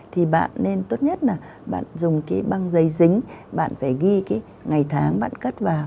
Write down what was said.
thì bạn nên tốt nhất là bạn dùng cái băng dây dính bạn phải ghi cái ngày tháng bạn cất vào